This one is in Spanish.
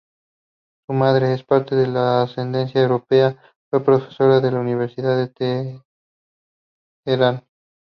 Su madre, en parte de ascendencia europea, fue profesora en la Universidad de Teherán.